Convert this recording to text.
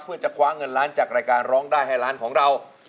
เพื่อจะคว้าเงินล้านจากรายการร้องได้ให้ล้านของเรา